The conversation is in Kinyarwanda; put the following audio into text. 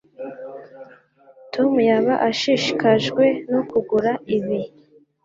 Tom yaba ashishikajwe no kugura ibi